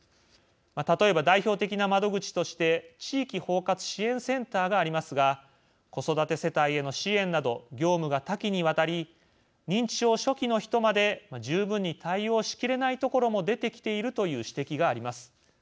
例えば、代表的な窓口として地域包括支援センターがありますが子育て世帯への支援など業務が多岐にわたり認知症初期の人まで十分に対応しきれないところも出てきているという指摘があります。